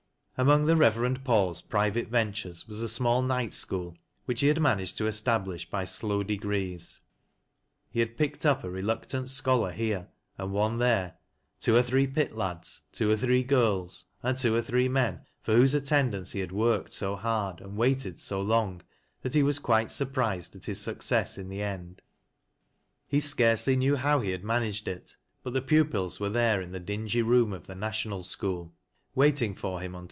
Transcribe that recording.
Among the Reverend Paul's private rentnres was a small night schoo. which he had managed to establish bj glow degrees. He had picked up a reluctant scho'.ar here, OS THAT LASS LOWRIE'B. and one there,— two or three pit lads, two or three girls, and two or three men for whose attendance he had worked so hard and waited so long that he was quite surprised at his success in the end. He scarcely kne\\ how he had managed it, but the pupils were there in thi dingy room of the National School, waiting for him oi.